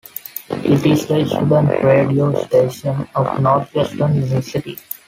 It is the student radio station of Northwestern University.